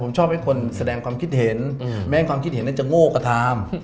ผมชอบให้คนแม้ความคิดเห็นนั้นจะโง่กว่าตาม